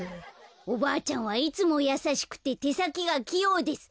「おばあちゃんはいつもやさしくててさきがきようです。